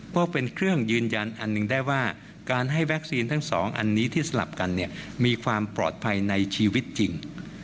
เพราะเป็นเครื่องยืนยันอันหนึ่งได้ว่าการให้วัคซีนทั้งสองอันนี้ที่สลับกันเนี่ยมีความปลอดภัยในชีวิตจริง